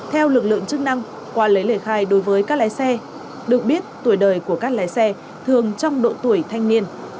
theo lực lượng chức năng qua lấy lời khai đối với các lái xe được biết tuổi đời của các lái xe thường trong độ tuổi thanh niên